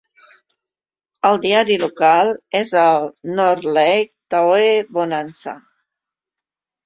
El diari local és el "North Lake Tahoe Bonanza".